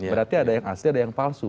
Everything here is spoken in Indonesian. berarti ada yang asli ada yang palsu